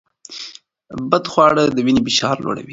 بدخواړه د وینې فشار لوړوي.